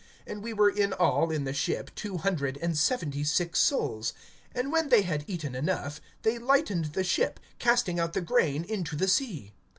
(37)And we were in all in the ship two hundred and seventy six souls. (38)And when they had eaten enough, they lightened the ship, casting out the grain into the sea.